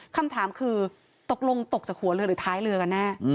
คำถามคือตกลงตกจากหัวเรือหรือท้ายเรือกันแน่